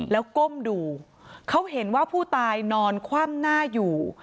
แล้วก้มดูเขาเห็นว่าผู้ตายนอนคว่ำหน้าอยู่